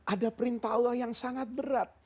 ada perintah allah yang sangat berat